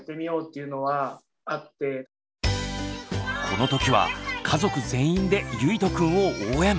この時は家族全員でゆいとくんを応援。